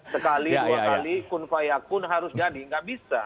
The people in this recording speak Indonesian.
sekali dua kali kun faya kun harus jadi nggak bisa